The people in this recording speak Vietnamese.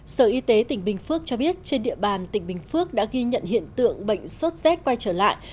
sở y tế tỉnh bình phước cho biết trên địa bàn tỉnh bình phước đã ghi nhận hiện tượng bệnh sốt rét quay trở lại